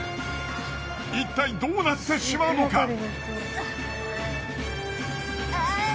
いったいどうなってしまうのか！？